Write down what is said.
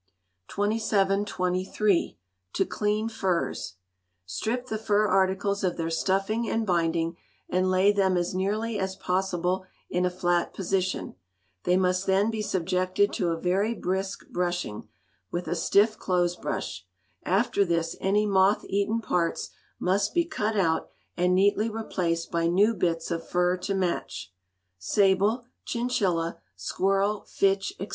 2723. To Clean Furs. Strip the fur articles of their stuffing and binding, and lay them as nearly as possible in a flat position They must then be subjected to a very brisk brushing, with a stiff clothes brush; after this any moth eaten parts must be cut out, and neatly replaced by new bits of fur to match. Sable, chinchilla, squirrel, fitch, &c.